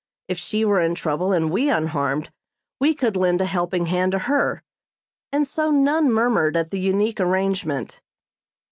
If she were in trouble and we unharmed, we could lend a helping hand to her; and so none murmured at the unique arrangement.